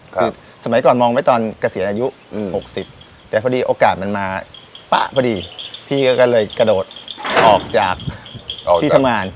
คือสมัยก่อนมองไว้ตอนเกษียณอายุ๖๐แต่พอดีโอกาสมันมาปะพอดีพี่ก็เลยกระโดดออกจากที่ทำงาน